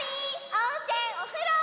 おんせんおふろ！